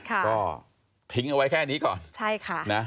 อ่าก็พิ้งเอาไว้แค่นี้ก่อนนะค่ะ